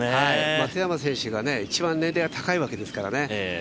松山選手が一番、年齢が高いわけですからね